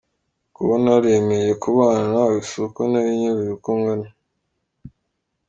Kuba naremeye kubana na we si uko nari nyobewe uko angana.